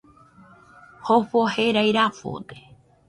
Jofo jerai rafode